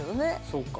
そうか。